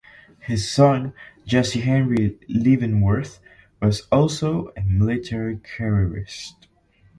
His son Jesse Henry Leavenworth was also a military careerist.